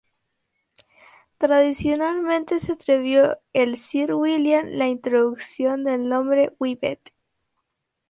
Tradicionalmente, se atribuye a sir William la introducción del nombre de "Whippet".